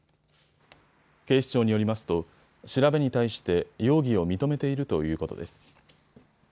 警視庁によりますと調べに対して容疑を認めているということです。